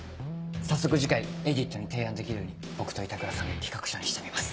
早速次回エイディットに提案できるように僕と板倉さんで企画書にしてみます。